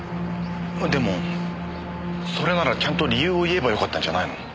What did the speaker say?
でもそれならちゃんと理由を言えばよかったんじゃないの？